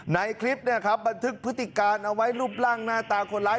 ในคลิปเนี่ยครับบันทึกพฤติการเอาไว้รูปร่างหน้าตาคนร้าย